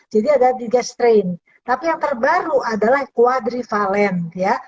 jadi ada tiga strain tapi yang terbaru adalah kuatrivalen ya